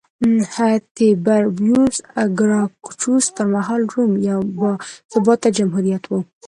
تیبریوس ګراکچوس پرمهال روم یو باثباته جمهوریت و